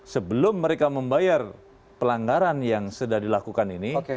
sebelum mereka membayar pelanggaran yang sudah dilakukan ini